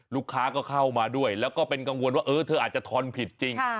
ลูกค้าก็เข้ามาด้วยแล้วก็เป็นกังวลว่าเออเธออาจจะทอนผิดจริง